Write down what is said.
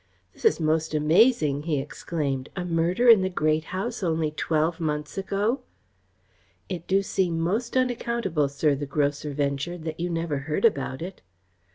"This is most amazing!" he exclaimed. "A murder in the Great House only twelve months ago!" "It do seem most unaccountable, sir," the grocer ventured, "that you never heard about it."